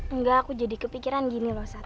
enggak aku jadi kepikiran gini loh